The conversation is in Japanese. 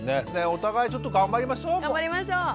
お互いちょっと頑張りましょう。